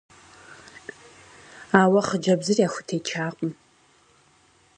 Ауэ хъыджэбзыр яхутечакъым.